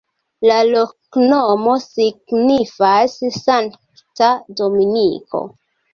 La loknomo signifas: sankta-Dominiko.